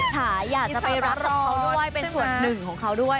ฉายอยากจะไปรักกับเขาด้วยเป็นส่วนหนึ่งของเขาด้วย